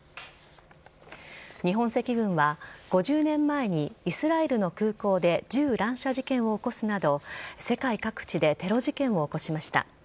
日本赤軍は５０年前にイスラエルの空港で銃乱射事件を起こすなど世界各地でテロ事件を起こしました。